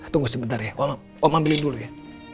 tunggu sebentar ya om ambil dulu ya